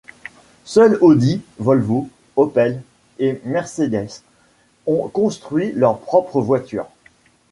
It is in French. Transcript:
Seuls Audi, Volvo, Opel et Mercedes ont construit leurs propres voitures.